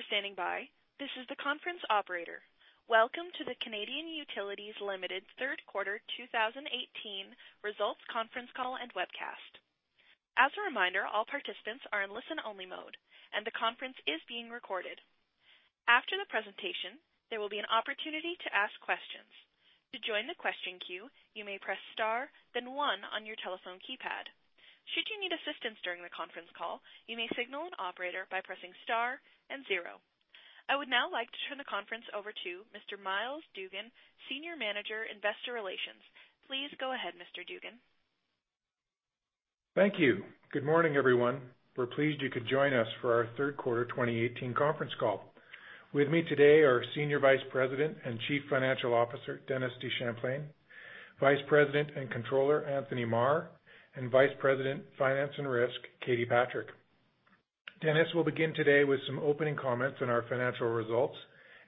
Thank you for standing by. This is the conference operator. Welcome to the Canadian Utilities Limited third quarter 2018 results conference call and webcast. As a reminder, all participants are in listen-only mode and the conference is being recorded. After the presentation, there will be an opportunity to ask questions. To join the question queue, you may press star then one on your telephone keypad. Should you need assistance during the conference call, you may signal an operator by pressing star and zero. I would now like to turn the conference over to Mr. Myles Dougan, Senior Manager, Investor Relations. Please go ahead, Mr. Dougan. Thank you. Good morning, everyone. We are pleased you could join us for our third quarter 2018 conference call. With me today are Senior Vice President and Chief Financial Officer, Dennis DeChamplain, Vice President and Controller, Anthony Maher, and Vice President, Finance and Risk, Katie Patrick. Dennis will begin today with some opening comments on our financial results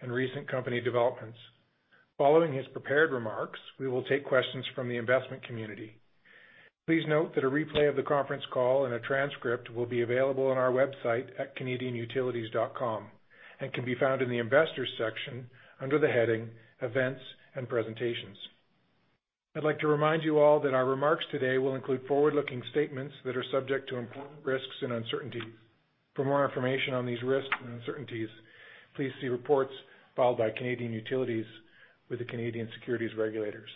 and recent company developments. Following his prepared remarks, we will take questions from the investment community. Please note that a replay of the conference call and a transcript will be available on our website at canadianutilities.com and can be found in the investors section under the heading Events and Presentations. I would like to remind you all that our remarks today will include forward-looking statements that are subject to important risks and uncertainty. For more information on these risks and uncertainties, please see reports followed by Canadian Utilities with the Canadian securities regulators.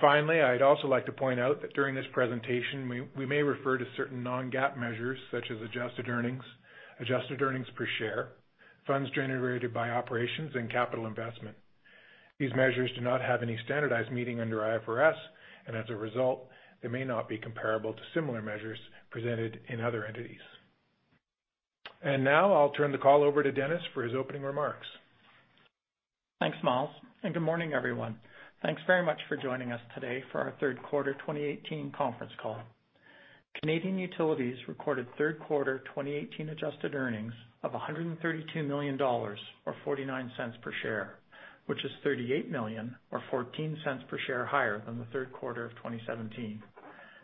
Finally, I would also like to point out that during this presentation, we may refer to certain non-GAAP measures such as adjusted earnings, adjusted earnings per share, funds generated by operations, and capital investment. These measures do not have any standardized meaning under IFRS, and as a result, they may not be comparable to similar measures presented in other entities. Now I will turn the call over to Dennis for his opening remarks. Thanks, Myles, and good morning, everyone. Thanks very much for joining us today for our third quarter 2018 conference call. Canadian Utilities recorded third quarter 2018 adjusted earnings of 132 million dollars or 0.49 per share, which is 38 million or 0.14 per share higher than the third quarter of 2017.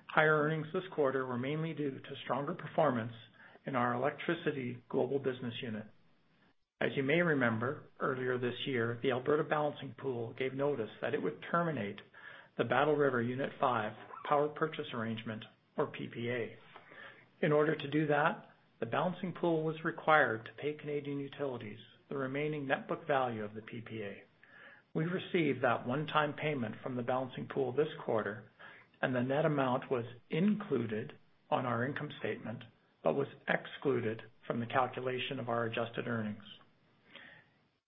Higher earnings this quarter were mainly due to stronger performance in our Electricity Global Business Unit. As you may remember, earlier this year, the Alberta Balancing Pool gave notice that it would terminate the Battle River Unit 5 power purchase arrangement or PPA. In order to do that, the Balancing Pool was required to pay Canadian Utilities the remaining net book value of the PPA. We received that one-time payment from the Balancing Pool this quarter, and the net amount was included on our income statement but was excluded from the calculation of our adjusted earnings.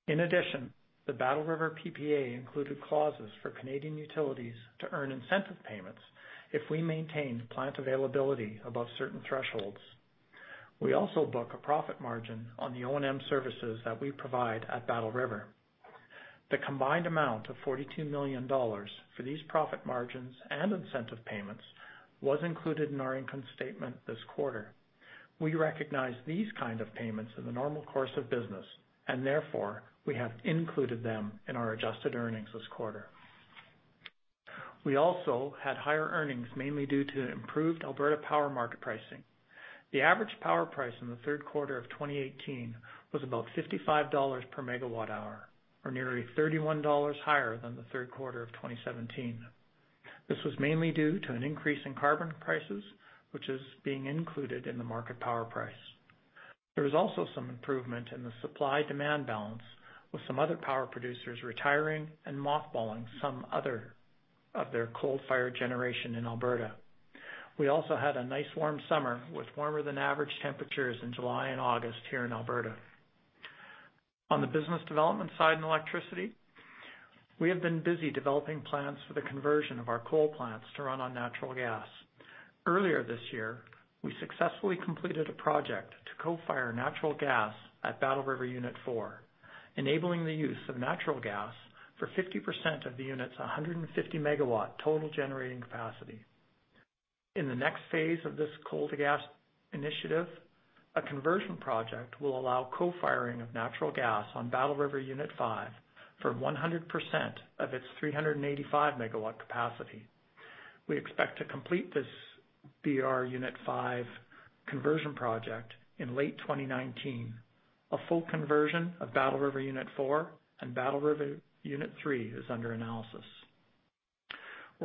In addition, the Battle River PPA included clauses for Canadian Utilities to earn incentive payments if we maintained plant availability above certain thresholds. We also book a profit margin on the O&M services that we provide at Battle River. The combined amount of 42 million dollars for these profit margins and incentive payments was included in our income statement this quarter. We recognize these kind of payments in the normal course of business and therefore we have included them in our adjusted earnings this quarter. We also had higher earnings, mainly due to improved Alberta power market pricing. The average power price in the third quarter of 2018 was about 55 dollars per megawatt hour, or nearly 31 dollars higher than the third quarter of 2017. This was mainly due to an increase in carbon prices, which is being included in the market power price. There was also some improvement in the supply-demand balance with some other power producers retiring and mothballing some other of their coal-fired generation in Alberta. We also had a nice warm summer with warmer than average temperatures in July and August here in Alberta. On the business development side in electricity, we have been busy developing plans for the conversion of our coal plants to run on natural gas. Earlier this year, we successfully completed a project to co-fire natural gas at Battle River Unit 4, enabling the use of natural gas for 50% of the unit's 150-megawatt total generating capacity. In the next phase of this coal-to-gas initiative, a conversion project will allow co-firing of natural gas on Battle River Unit 5 for 100% of its 385-megawatt capacity. We expect to complete this BR Unit 5 conversion project in late 2019. A full conversion of Battle River Unit 4 and Battle River Unit 3 is under analysis.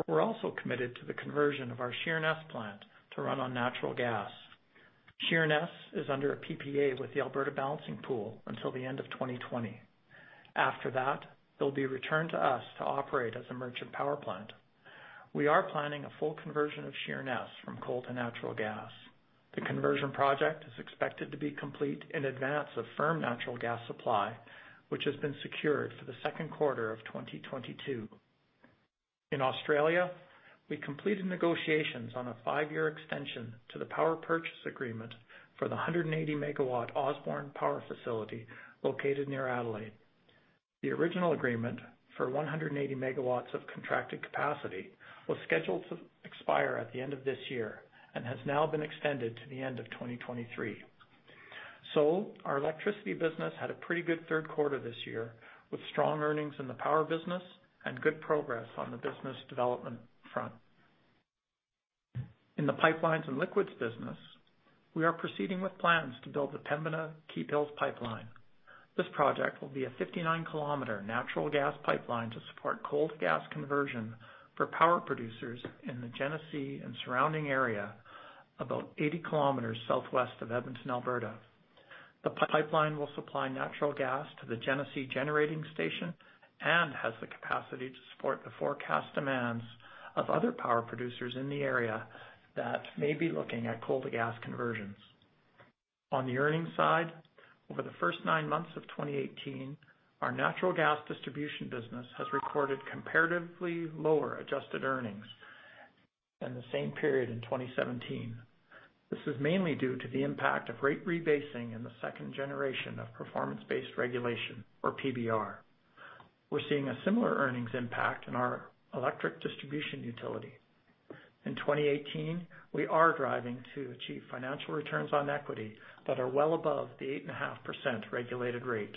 We're also committed to the conversion of our Sheerness plant to run on natural gas. Sheerness is under a PPA with the Alberta Balancing Pool until the end of 2020. After that, they'll be returned to us to operate as a merchant power plant. We are planning a full conversion of Sheerness from coal to natural gas. The conversion project is expected to be complete in advance of firm natural gas supply, which has been secured for the second quarter of 2022. In Australia, we completed negotiations on a five-year extension to the power purchase agreement for the 180-megawatt Osborne Power facility located near Adelaide. The original agreement for 180 megawatts of contracted capacity was scheduled to expire at the end of this year and has now been extended to the end of 2023. Our electricity business had a pretty good third quarter this year, with strong earnings in the power business and good progress on the business development front. In the pipelines and liquids business, we are proceeding with plans to build the Pemmican Hills pipeline. This project will be a 59-kilometer natural gas pipeline to support coal-to-gas conversion for power producers in the Genesee and surrounding area, about 80 kilometers southwest of Edmonton, Alberta. The pipeline will supply natural gas to the Genesee Generating Station and has the capacity to support the forecast demands of other power producers in the area that may be looking at coal-to-gas conversions. On the earnings side, over the first nine months of 2018, our natural gas distribution business has recorded comparatively lower adjusted earnings than the same period in 2017. This is mainly due to the impact of rate rebasing in the second generation of performance-based regulation, or PBR. We're seeing a similar earnings impact in our electric distribution utility. In 2018, we are driving to achieve financial returns on equity that are well above the 8.5% regulated rate.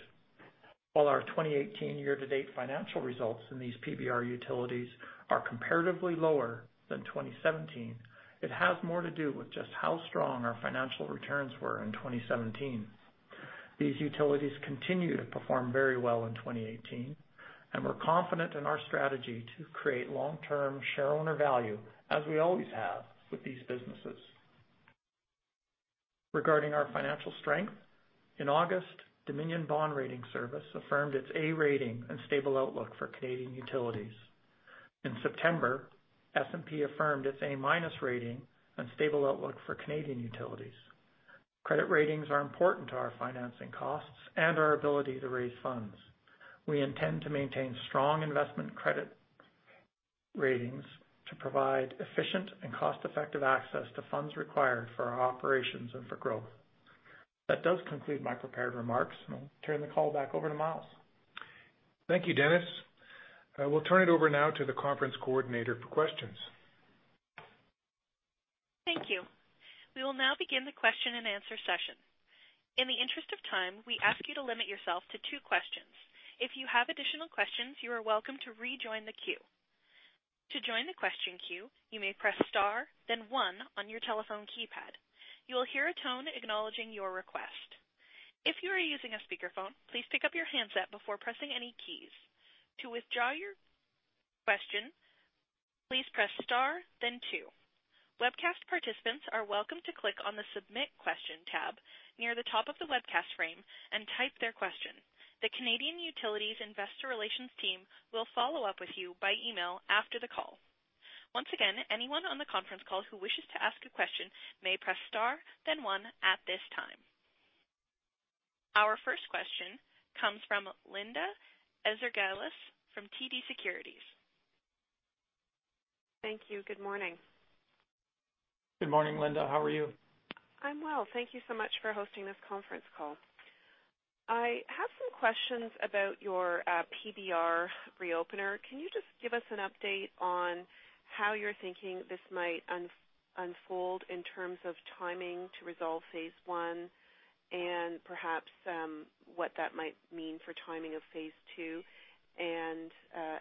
While our 2018 year-to-date financial results in these PBR utilities are comparatively lower than 2017, it has more to do with just how strong our financial returns were in 2017. These utilities continue to perform very well in 2018, we're confident in our strategy to create long-term share owner value as we always have with these businesses. Regarding our financial strength, in August, Dominion Bond Rating Service affirmed its A rating and stable outlook for Canadian Utilities. In September, S&P affirmed its A-minus rating and stable outlook for Canadian Utilities. Credit ratings are important to our financing costs and our ability to raise funds. We intend to maintain strong investment credit ratings to provide efficient and cost-effective access to funds required for our operations and for growth. That does conclude my prepared remarks, and I'll turn the call back over to Myles. Thank you, Dennis. We'll turn it over now to the conference coordinator for questions. Thank you. We will now begin the question-and-answer session. In the interest of time, we ask you to limit yourself to two questions. If you have additional questions, you are welcome to rejoin the queue. To join the question queue, you may press star, then one on your telephone keypad. You will hear a tone acknowledging your request. If you are using a speakerphone, please pick up your handset before pressing any keys. To withdraw your question, please press star, then two. Webcast participants are welcome to click on the Submit Question tab near the top of the webcast frame and type their question. The Canadian Utilities investor relations team will follow up with you by email after the call. Once again, anyone on the conference call who wishes to ask a question may press star, then one at this time. Our first question comes from Linda Ezergailis from TD Securities. Thank you. Good morning. Good morning, Linda. How are you? I'm well. Thank you so much for hosting this conference call. I have some questions about your PBR reopener. Can you just give us an update on how you're thinking this might unfold in terms of timing to resolve phase one and perhaps what that might mean for timing of phase two and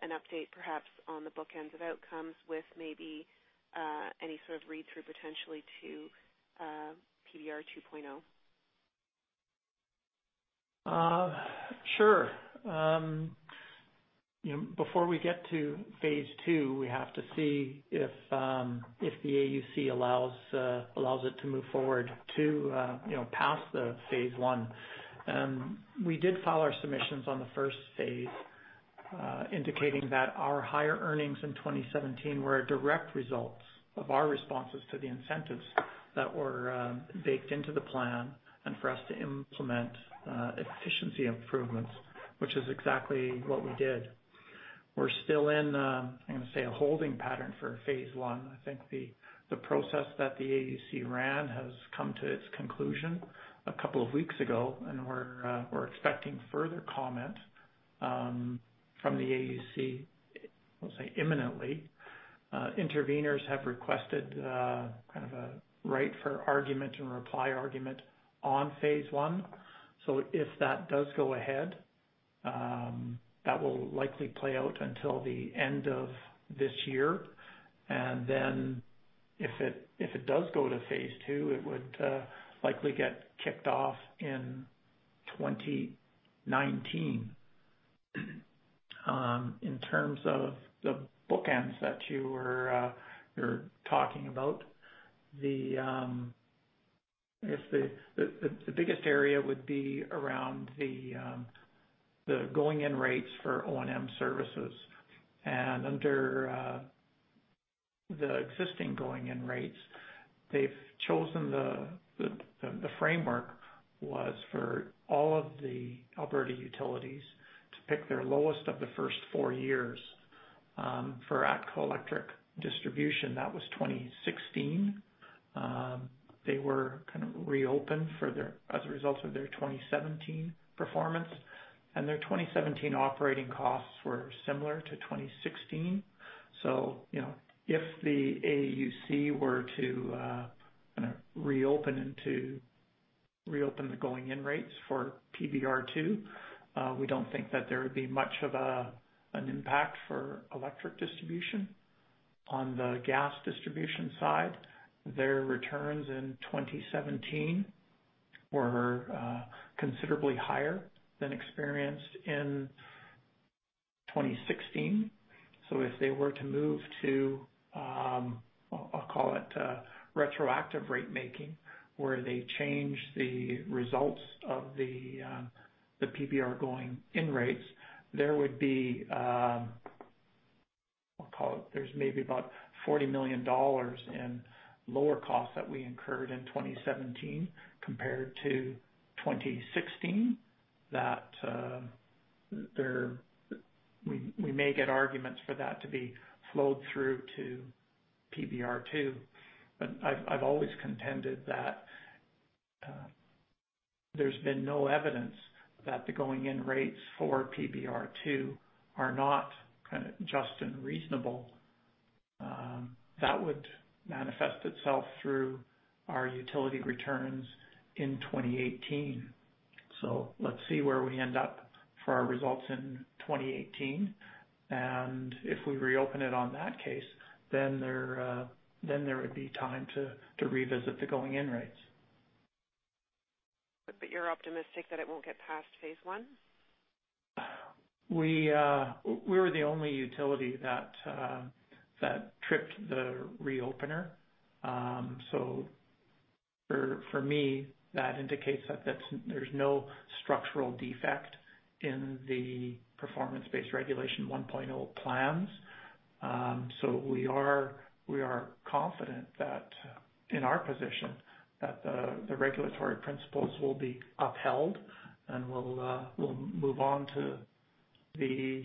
an update perhaps on the bookends of outcomes with maybe any sort of read-through potentially to PBR 2.0? Sure. Before we get to phase two, we have to see if the AUC allows it to move forward to past the phase one. We did file our submissions on the first phase, indicating that our higher earnings in 2017 were a direct result of our responses to the incentives that were baked into the plan and for us to implement efficiency improvements, which is exactly what we did. We're still in, I'm going to say, a holding pattern for phase one. I think the process that the AUC ran has come to its conclusion a couple of weeks ago, and we're expecting further comment from the AUC, I'll say imminently. Interveners have requested a right for argument and reply argument on phase one. If that does go ahead, that will likely play out until the end of this year. If it does go to phase two, it would likely get kicked off in 2019. In terms of the bookends that you were talking about, I guess the biggest area would be around the going-in rates for O&M services. Under the existing going-in rates, they've chosen the framework was for all of the Alberta utilities to pick their lowest of the first four years. For ATCO Electric Distribution, that was 2016. They were kind of reopened as a result of their 2017 performance, and their 2017 operating costs were similar to 2016. If the AUC were to reopen the going-in rates for PBR2, we don't think that there would be much of an impact for electric distribution. On the gas distribution side, their returns in 2017 were considerably higher than experienced in 2016. If they were to move to, I'll call it retroactive rate-making, where they change the results of the PBR going-in rates, there would be, I'll call it, maybe about 40 million dollars in lower costs that we incurred in 2017 compared to 2016 that we may get arguments for that to be flowed through to PBR2. I've always contended that there's been no evidence that the going-in rates for PBR2 are not just and reasonable. That would manifest itself through our utility returns in 2018. Let's see where we end up for our results in 2018. If we reopen it on that case, then there would be time to revisit the going-in rates. You're optimistic that it won't get past phase one? We were the only utility that tripped the reopener. For me, that indicates that there's no structural defect in the Performance Based Regulation 1.0 plans. We are confident that, in our position, the regulatory principles will be upheld, and we'll move on to the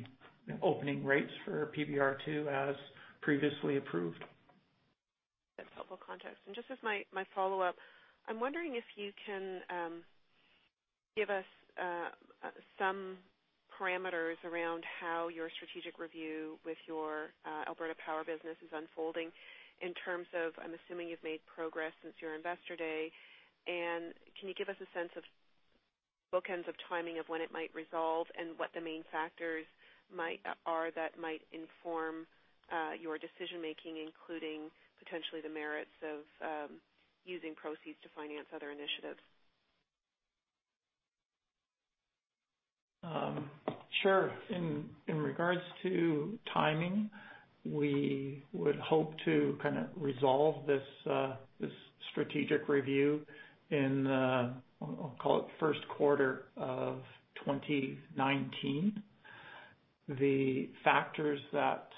opening rates for PBR2 as previously approved. That's helpful context. Just as my follow-up, I'm wondering if you can give us some parameters around how your strategic review with your Alberta Power business is unfolding in terms of, I'm assuming you've made progress since your investor day. Can you give us a sense of bookends of timing of when it might resolve and what the main factors are that might inform your decision-making, including potentially the merits of using proceeds to finance other initiatives? Sure. In regards to timing, we would hope to resolve this strategic review in, I'll call it the first quarter of 2019. The factors that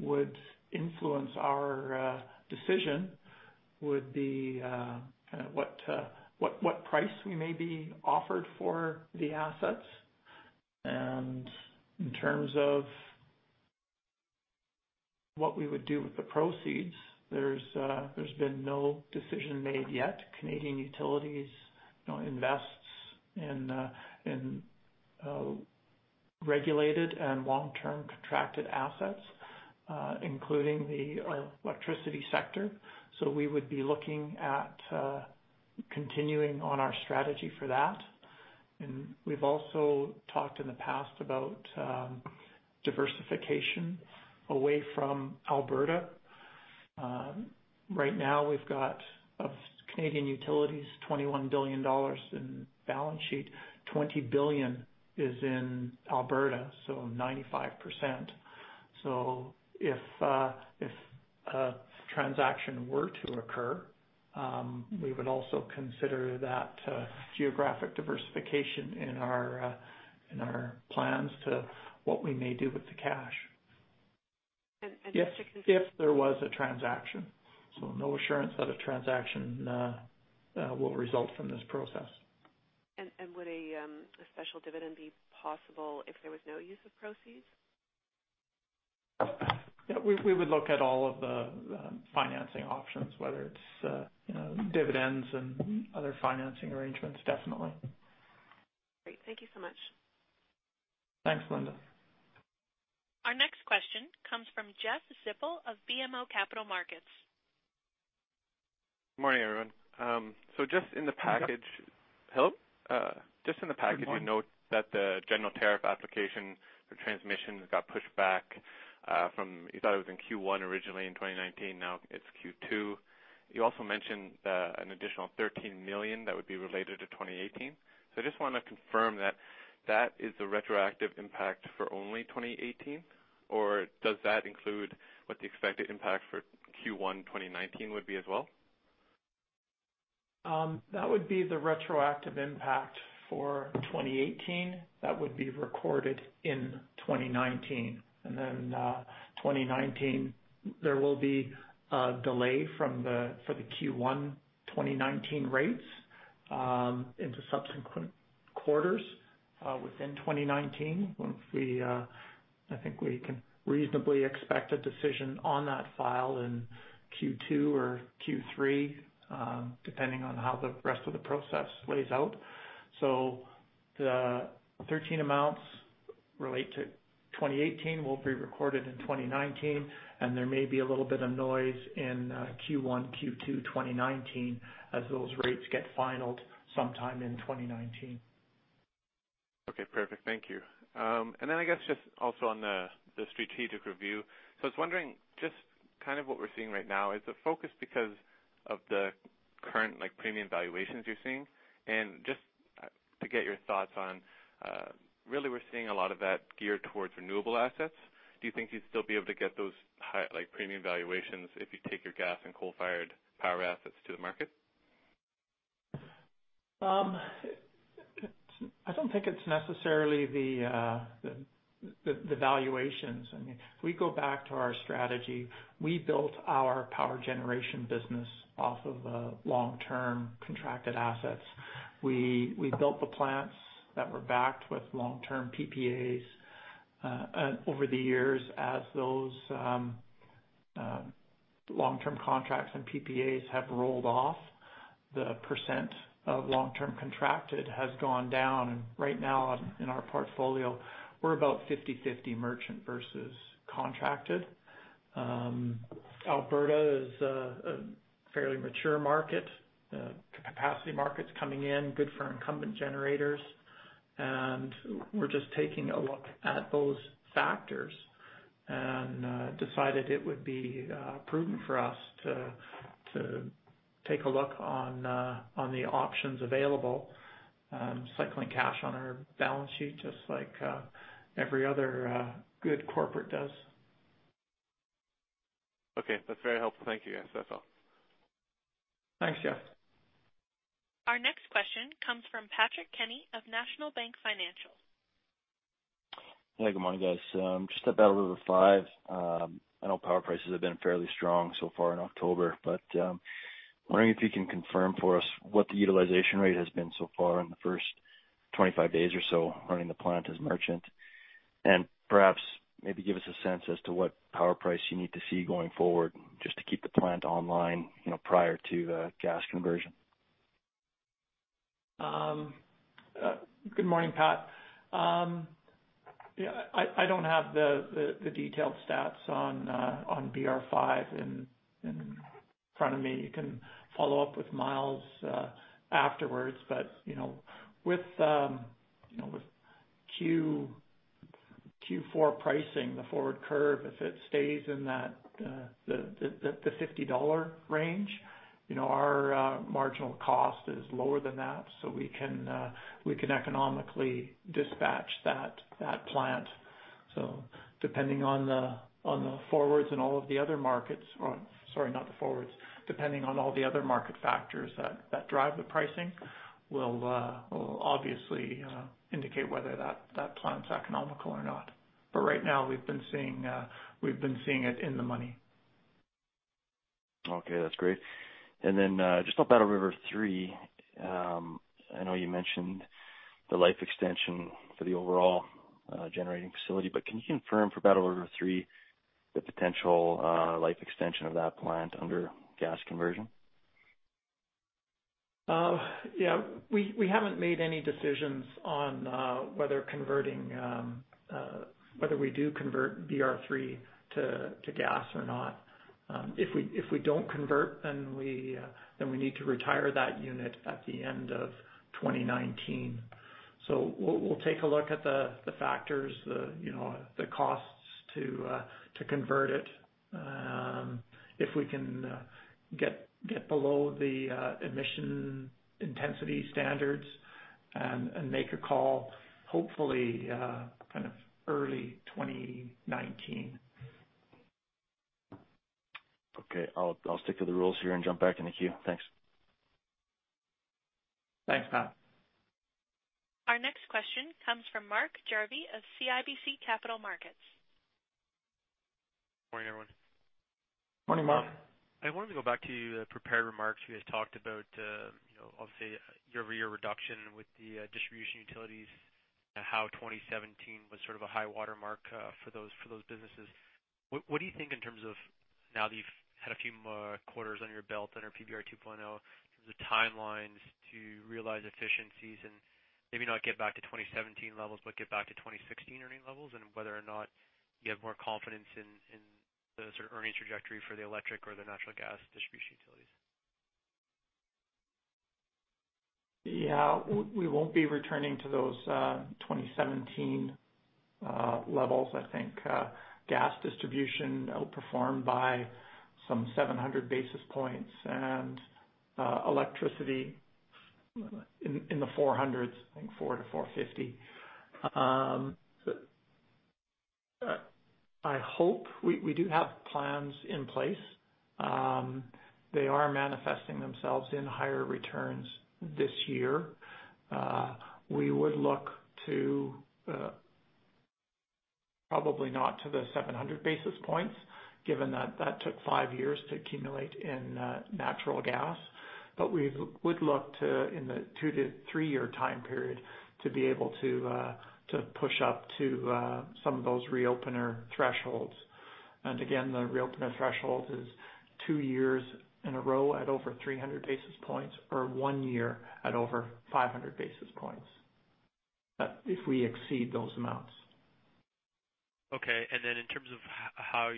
would influence our decision would be what price we may be offered for the assets. In terms of what we would do with the proceeds, there's been no decision made yet. Canadian Utilities invests in regulated and long-term contracted assets, including the electricity sector. We would be looking at continuing on our strategy for that. We've also talked in the past about diversification away from Alberta. Right now, we've got, of Canadian Utilities' 21 billion dollars in balance sheet, 20 billion is in Alberta, so 95%. If a transaction were to occur, we would also consider that geographic diversification in our plans to what we may do with the cash. Just to- If there was a transaction. No assurance that a transaction will result from this process. Would a special dividend be possible if there was no use of proceeds? Yeah. We would look at all of the financing options, whether it's dividends and other financing arrangements, definitely. Great. Thank you so much. Thanks, Linda. Our next question comes from Jeff Zippel of BMO Capital Markets. Morning, everyone. Just in the package. Good morning. Hi. Just in the package. Good morning. You note that the general tariff application for transmission got pushed back from, you thought it was in Q1 originally in 2019, now it is Q2. You also mentioned an additional 13 million that would be related to 2018. I just want to confirm that that is the retroactive impact for only 2018, or does that include what the expected impact for Q1 2019 would be as well? That would be the retroactive impact for 2018. That would be recorded in 2019. 2019, there will be a delay for the Q1 2019 rates into subsequent quarters within 2019. I think we can reasonably expect a decision on that file in Q2 or Q3, depending on how the rest of the process plays out. The 13 amounts relate to 2018, will be recorded in 2019, and there may be a little bit of noise in Q1, Q2 2019 as those rates get finaled sometime in 2019. Okay, perfect. Thank you. I guess just also on the strategic review. I was wondering, just what we're seeing right now, is the focus because of the current premium valuations you're seeing? Just to get your thoughts on, really, we're seeing a lot of that geared towards renewable assets. Do you think you'd still be able to get those high premium valuations if you take your gas and coal-fired power assets to the market? I don't think it's necessarily the valuations. If we go back to our strategy, we built our power generation business off of long-term contracted assets. We built the plants that were backed with long-term PPAs. Over the years, as those long-term contracts and PPAs have rolled off, the percent of long-term contracted has gone down. Right now in our portfolio, we're about 50/50 merchant versus contracted. Alberta is a fairly mature market. Capacity market's coming in, good for incumbent generators. We're just taking a look at those factors and decided it would be prudent for us to take a look on the options available, cycling cash on our balance sheet just like every other good corporate does. Okay. That's very helpful. Thank you, guys. That's all. Thanks, Jeff. Our next question comes from Patrick Kenny of National Bank Financial. Hey, good morning, guys. Just step out of BR5. I know power prices have been fairly strong so far in October, but I'm wondering if you can confirm for us what the utilization rate has been so far in the first 25 days or so running the plant as merchant. Perhaps maybe give us a sense as to what power price you need to see going forward just to keep the plant online prior to the gas conversion. Good morning, Pat. I don't have the detailed stats on BR5 in front of me. You can follow up with Myles afterwards, but with Q4 pricing, the forward curve, if it stays in the 50 dollar range, our marginal cost is lower than that, so we can economically dispatch that plant. Depending on the forwards in all of the other markets Sorry, not the forwards. Depending on all the other market factors that drive the pricing will obviously indicate whether that plant's economical or not. Right now, we've been seeing it in the money. Okay, that's great. Just on Battle River 3, I know you mentioned the life extension for the overall generating facility, but can you confirm for Battle River 3 the potential life extension of that plant under gas conversion? Yeah. We haven't made any decisions on whether we do convert BR3 to gas or not. If we don't convert, then we need to retire that unit at the end of 2019. We'll take a look at the factors, the costs to convert it. If we can get below the emission intensity standards and make a call, hopefully early 2019. Okay. I'll stick to the rules here and jump back in the queue. Thanks. Thanks, Pat. Our next question comes from Mark Jarvi of CIBC Capital Markets. Morning, everyone. Morning, Mark. I wanted to go back to your prepared remarks. You guys talked about, I'll say, year-over-year reduction with the distribution utilities and how 2017 was sort of a high water mark for those businesses. What do you think in terms of now that you've had a few more quarters under your belt under PBR 2.0 in terms of timelines to realize efficiencies and maybe not get back to 2017 levels, but get back to 2016 earning levels? Whether or not you have more confidence in the sort of earnings trajectory for the electric or the natural gas distribution utilities? Yeah. We won't be returning to those 2017 levels. I think gas distribution outperformed by some 700 basis points and electricity in the 400s, I think 400 to 450. We do have plans in place. They are manifesting themselves in higher returns this year. We would look probably not to the 700 basis points, given that that took five years to accumulate in natural gas. We would look to, in the two to three-year time period, to be able to push up to some of those reopener thresholds. Again, the threshold is two years in a row at over 300 basis points or one year at over 500 basis points. If we exceed those amounts. Okay. Then in terms of how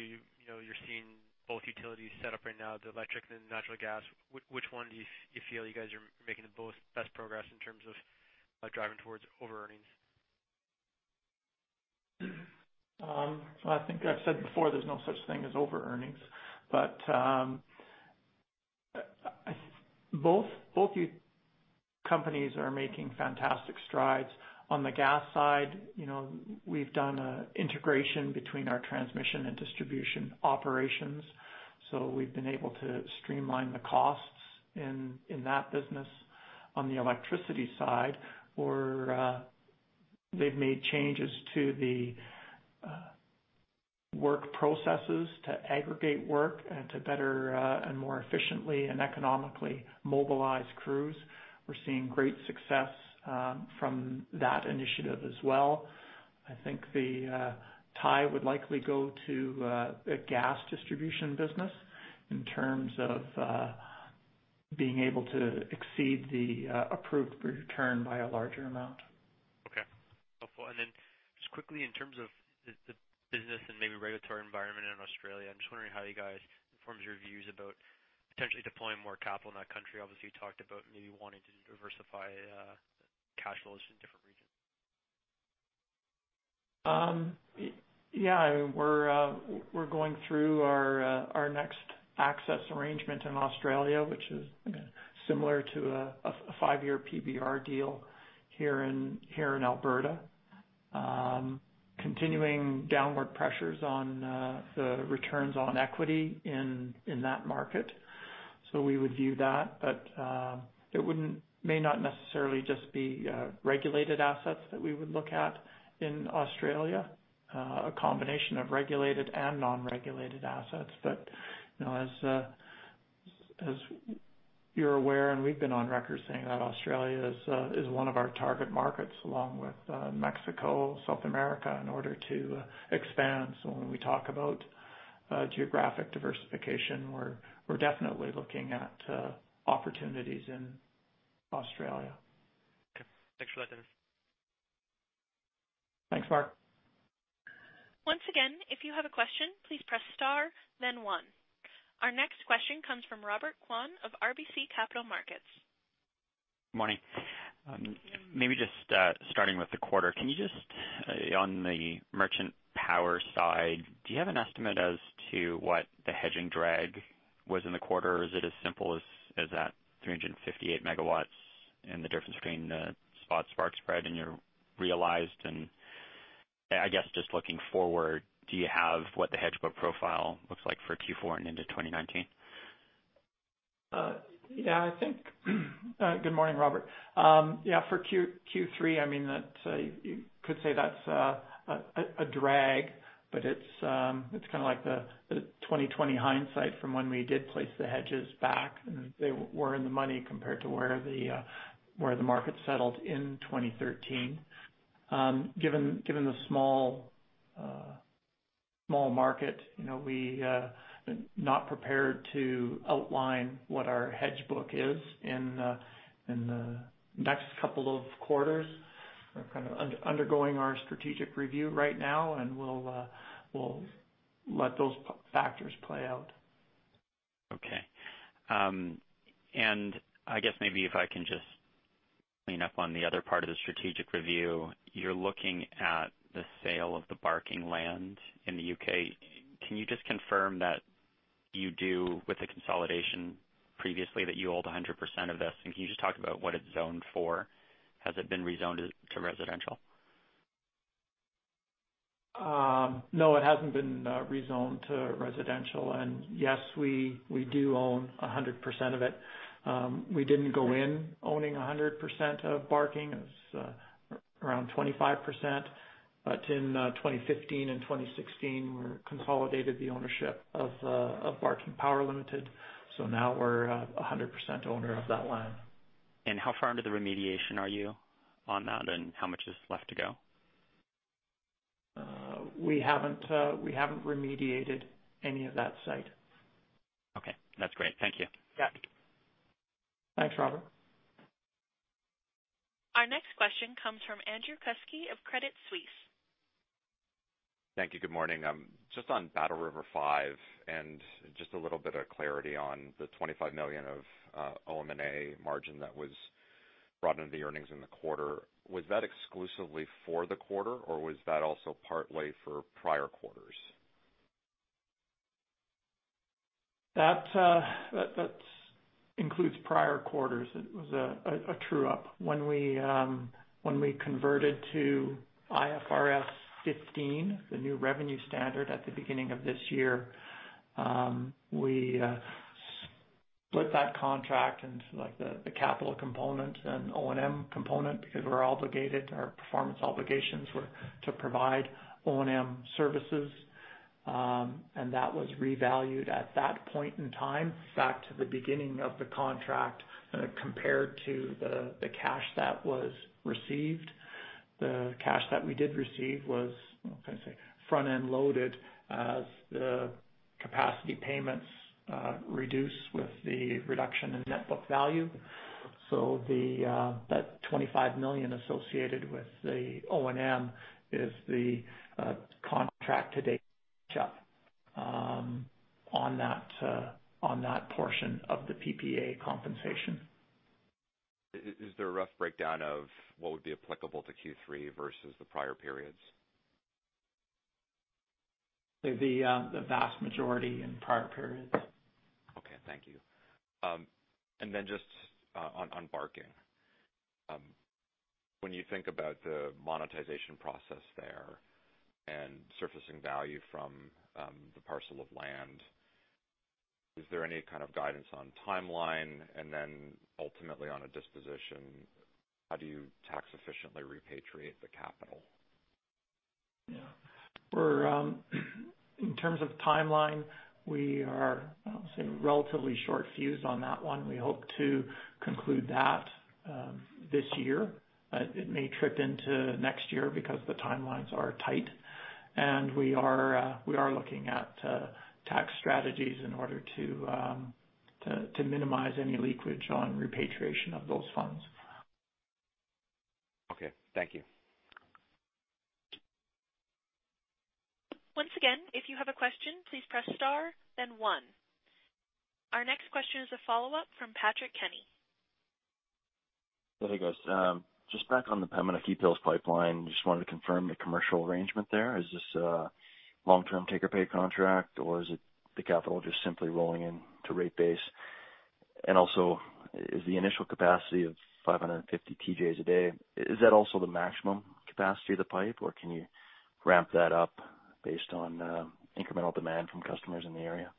you're seeing both utilities set up right now, the electric and natural gas, which one do you feel you guys are making the best progress in terms of driving towards over-earnings? I think I've said before, there's no such thing as over-earnings, both companies are making fantastic strides. On the gas side, we've done integration between our transmission and distribution operations. We've been able to streamline the costs in that business. On the electricity side, they've made changes to the work processes to aggregate work and to better and more efficiently and economically mobilize crews. We're seeing great success from that initiative as well. I think the tie would likely go to a gas distribution business in terms of being able to exceed the approved return by a larger amount. Okay. Helpful. Then just quickly, in terms of the business and maybe regulatory environment in Australia, I'm just wondering how you guys, in terms of your views about potentially deploying more capital in that country, obviously, you talked about maybe wanting to diversify cash flows in different regions. Yeah. We're going through our next access arrangement in Australia, which is similar to a five-year PBR deal here in Alberta. Continuing downward pressures on the returns on equity in that market. We would view that, but it may not necessarily just be regulated assets that we would look at in Australia. A combination of regulated and non-regulated assets. As you're aware, and we've been on record saying that Australia is one of our target markets along with Mexico, South America, in order to expand. When we talk about geographic diversification, we're definitely looking at opportunities in Australia. Okay. Thanks for that, Dennis. Thanks, Mark. Once again, if you have a question, please press star then one. Our next question comes from Robert Kwan of RBC Capital Markets. Morning. Maybe just starting with the quarter, can you just, on the merchant power side, do you have an estimate as to what the hedging drag was in the quarter? Is it as simple as that 358 MW and the difference between the spot spark spread and your realized, and I guess just looking forward, do you have what the hedge book profile looks like for Q4 and into 2019? Good morning, Robert. For Q3, you could say that's a drag, but it's kind of like the 20/20 hindsight from when we did place the hedges back, and they were in the money compared to where the market settled in 2013. Given the small market, we are not prepared to outline what our hedge book is in the next couple of quarters. We're kind of undergoing our strategic review right now, and we'll let those factors play out. Okay. I guess maybe if I can just clean up on the other part of the strategic review. You're looking at the sale of the Barking land in the U.K. Can you just confirm that you do, with the consolidation previously, that you hold 100% of this? Can you just talk about what it's zoned for? Has it been rezoned to residential? No, it hasn't been rezoned to residential. Yes, we do own 100% of it. We didn't go in owning 100% of Barking. It was around 25%. In 2015 and 2016, we consolidated the ownership of Barking Power Limited. Now we're 100% owner of that land. How far into the remediation are you on that, and how much is left to go? We haven't remediated any of that site. Okay. That's great. Thank you. Yeah. Thanks, Robert. Our next question comes from Andrew Kuske of Credit Suisse. Thank you. Good morning. Just on Battle River Five and just a little bit of clarity on the 25 million of OM&A margin that was brought into the earnings in the quarter. Was that exclusively for the quarter, or was that also partly for prior quarters? That includes prior quarters. It was a true-up. When we converted to IFRS 15, the new revenue standard at the beginning of this year, we split that contract into the capital component and O&M component because we're obligated. Our performance obligations were to provide O&M services. And that was revalued at that point in time, back to the beginning of the contract compared to the cash that was received. The cash that we did receive was front-end loaded as the capacity payments reduce with the reduction in net book value. That 25 million associated with the O&M is the contract to date on that portion of the PPA compensation. Is there a rough breakdown of what would be applicable to Q3 versus the prior periods? The vast majority in prior periods. Okay, thank you. Just on Barking. When you think about the monetization process there and surfacing value from the parcel of land, is there any kind of guidance on timeline? Ultimately on a disposition, how do you tax efficiently repatriate the capital? Yeah. In terms of timeline, we are, I'll say, relatively short fused on that one. We hope to conclude that this year. It may trip into next year because the timelines are tight. We are looking at tax strategies in order to minimize any leakage on repatriation of those funds. Okay. Thank you. Once again, if you have a question, please press star, then one. Our next question is a follow-up from Patrick Kenny. Hey, guys. Just back on the Pemmican Hills pipeline, just wanted to confirm the commercial arrangement there. Is this a long-term take-or-pay contract, or is it the capital just simply rolling into rate base? Is the initial capacity of 550 TJ a day, is that also the maximum capacity of the pipe, or can you ramp that up based on incremental demand from customers in the area?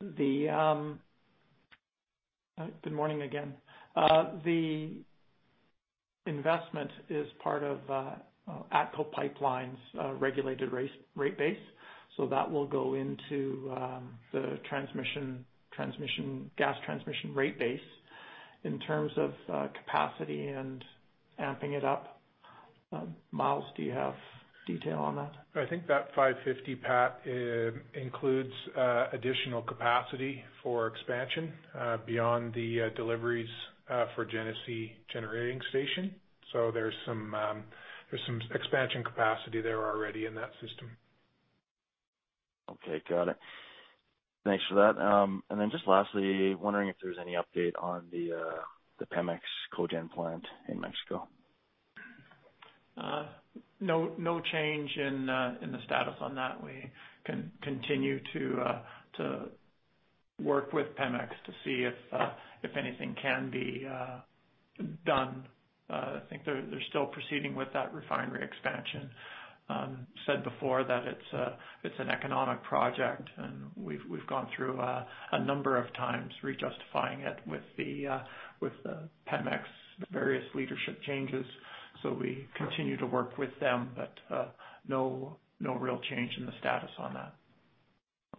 Good morning again. The investment is part of ATCO Pipelines' regulated rate base. That will go into the gas transmission rate base. In terms of capacity and amping it up, Myles, do you have detail on that? I think that 550, Pat, includes additional capacity for expansion beyond the deliveries for Genesee Generating Station. There's some expansion capacity there already in that system. Okay. Got it. Thanks for that. Just lastly, wondering if there's any update on the Pemex cogen plant in Mexico. No change in the status on that. We continue to work with Pemex to see if anything can be done. I think they're still proceeding with that refinery expansion. I said before that it's an economic project, and we've gone through a number of times rejustifying it with the Pemex various leadership changes. We continue to work with them, but no real change in the status on that.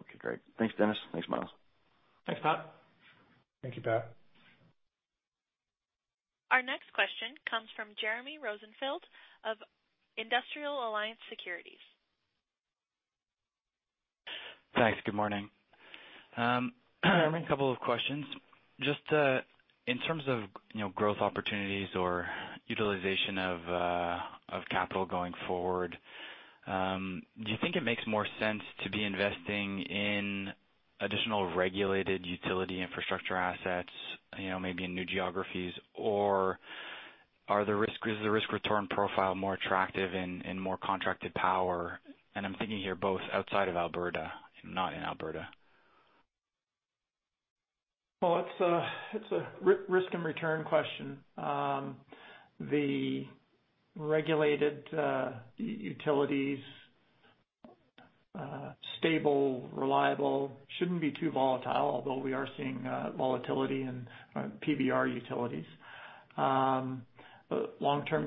Okay, great. Thanks, Dennis. Thanks, Myles. Thanks, Pat. Thank you, Pat. Our next question comes from Jeremy Rosenfield of Industrial Alliance Securities. Thanks. Good morning. Jeremy, a couple of questions. Just in terms of growth opportunities or utilization of capital going forward, do you think it makes more sense to be investing in additional regulated utility infrastructure assets, maybe in new geographies, or is the risk return profile more attractive in more contracted power? I'm thinking here both outside of Alberta and not in Alberta. Well, it's a risk and return question. The regulated utilities, stable, reliable, shouldn't be too volatile, although we are seeing volatility in PBR utilities. Long-term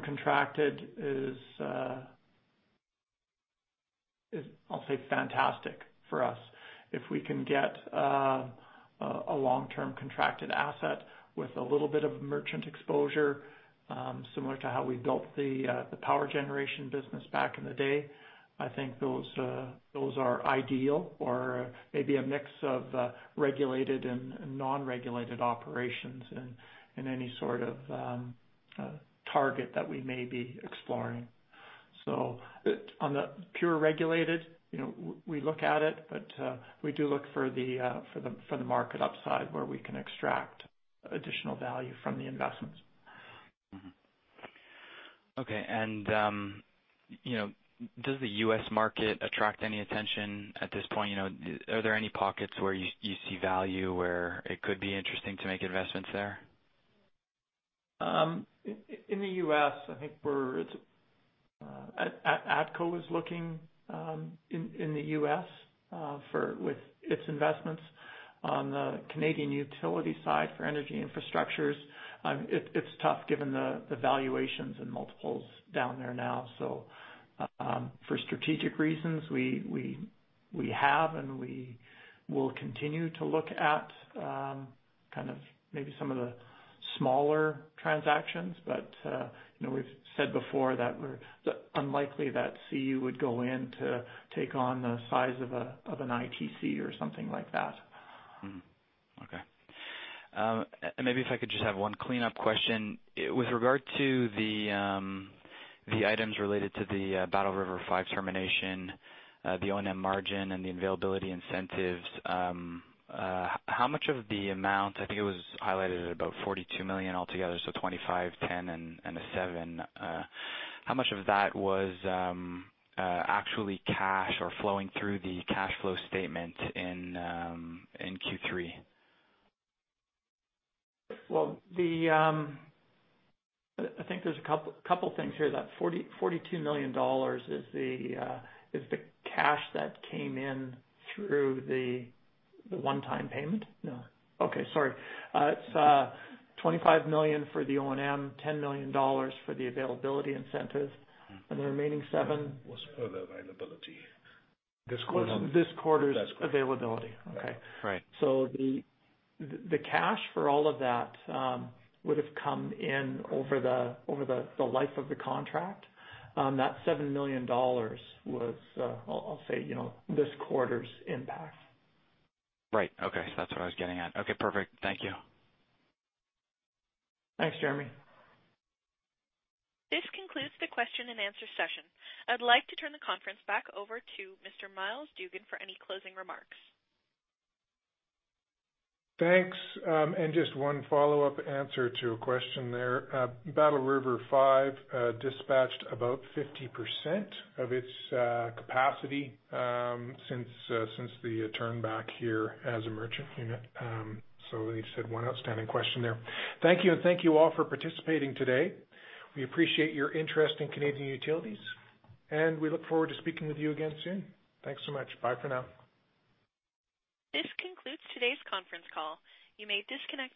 contracted is, I'll say, fantastic for us. If we can get a long-term contracted asset with a little bit of merchant exposure, similar to how we built the power generation business back in the day, I think those are ideal or maybe a mix of regulated and non-regulated operations in any sort of target that we may be exploring. On the pure regulated, we look at it, but we do look for the market upside where we can extract additional value from the investments. Okay. Does the U.S. market attract any attention at this point? Are there any pockets where you see value where it could be interesting to make investments there? In the U.S., I think ATCO is looking in the U.S. with its investments. On the Canadian Utilities side for energy infrastructures, it's tough given the valuations and multiples down there now. For strategic reasons, we have and we will continue to look at maybe some of the smaller transactions. We've said before that we're unlikely that CU would go in to take on the size of an ITC or something like that. Mm-hmm. Okay. Maybe if I could just have one cleanup question. With regard to the items related to the Battle River 5 termination, the O&M margin, and the availability incentives, how much of the amount, I think it was highlighted at about 42 million altogether, so 25, 10, and a seven. How much of that was actually cash or flowing through the cash flow statement in Q3? Well, I think there's a couple things here. That 42 million dollars is the cash that came in through the one-time payment? No. Okay, sorry. It's 25 million for the O&M, 10 million dollars for the availability incentives, and the remaining seven- Was for the availability. This quarter. Was this quarter's availability. Okay. Right. The cash for all of that would've come in over the life of the contract. That 7 million dollars was, I'll say, this quarter's impact. Right. Okay. That's what I was getting at. Okay, perfect. Thank you. Thanks, Jeremy. This concludes the question and answer session. I'd like to turn the conference back over to Mr. Myles Dougan for any closing remarks. Thanks. Just one follow-up answer to a question there. Battle River 5 dispatched about 50% of its capacity since the turn back here as a merchant unit. He just had one outstanding question there. Thank you, and thank you all for participating today. We appreciate your interest in Canadian Utilities, and we look forward to speaking with you again soon. Thanks so much. Bye for now. This concludes today's conference call. You may disconnect.